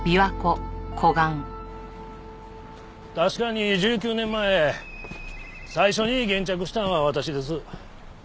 確かに１９年前最初に現着したのは私です。